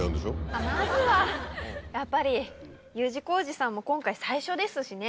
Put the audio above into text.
まずはやっぱりＵ字工事さんも今回最初ですしね